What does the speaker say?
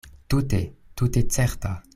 Tute, tute certa.